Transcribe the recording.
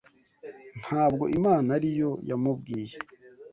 Ntabwo Imana ari Yo yamubwiye